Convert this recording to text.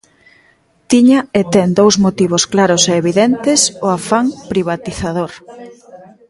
Tiña e ten dous motivos claros e evidentes o afán privatizador.